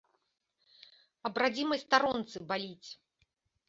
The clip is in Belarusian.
Аб радзімай старонцы баліць!